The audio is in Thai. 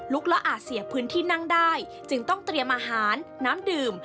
ละอาจเสียพื้นที่นั่งได้จึงต้องเตรียมอาหารน้ำดื่ม